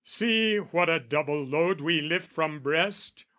"See, what a double load we lift from breast!